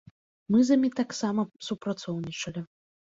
Мы з імі таксама супрацоўнічалі.